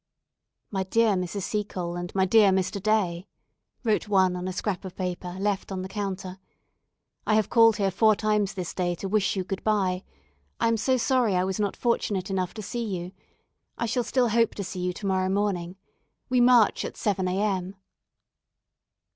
"My dear Mrs. Seacole, and my dear Mr. Day," wrote one on a scrap of paper left on the counter, "I have called here four times this day, to wish you good bye. I am so sorry I was not fortunate enough to see you. I shall still hope to see you to morrow morning. We march at seven a.m."